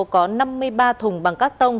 có năm mươi ba thùng bằng cát tông